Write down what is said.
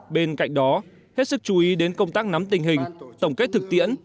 bên cạnh đó hết sức chú ý đến công tác nắm tình hình tổng kết thực tiễn